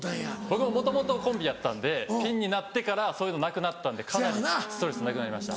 僕ももともとコンビやったんでピンになってからそういうのなくなったんでかなりストレスなくなりました。